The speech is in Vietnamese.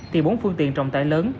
thì bốn phương tiện trọng tải lớn